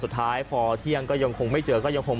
สุดท้ายพอเที่ยงก็ยังคงไม่เจอก็ยังคง